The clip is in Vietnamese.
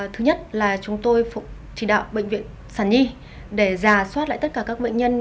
thứ nhất là chúng tôi chỉ đạo bệnh viện sản nhi để giả soát lại tất cả các bệnh nhân